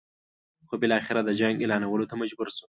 خو بالاخره د جنګ اعلانولو ته مجبور شو.